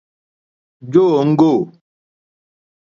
Jó òŋɡô.